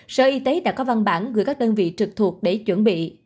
sở y tế đã có văn bản gửi các đơn vị trực thuộc để chuẩn bị